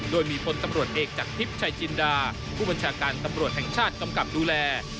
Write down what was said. โดยมีพลตำรวจเอกจากทิพย์ชายจินดาผู้บัญชาการตำรวจแห่งชาติกำกับดูแล